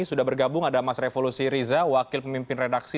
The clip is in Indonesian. sudah bergabung ada mas revolusi riza wakil pemimpin redaksi